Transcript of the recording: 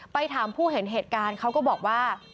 ไปถามผู้เห็นเหตุการณ์เขาก็บอกว่า